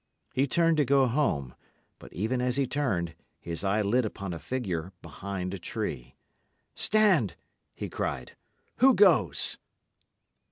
He turned to go home; but even as he turned, his eye lit upon a figure behind, a tree. "Stand!" he cried. "Who goes?"